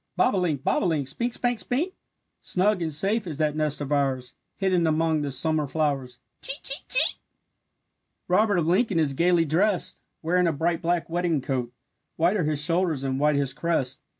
"Bobolink, bob o' link, Spink, spank, spink; Snug and safe is that nest of ours, Hidden among the summer flowers, Chee, chee, chee!" Robert of Lincoln is gaily drest, Wearing a bright black wedding coat, White are his shoulders and white his crest.